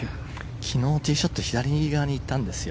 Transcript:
昨日、ティーショット左側に行ったんですよ。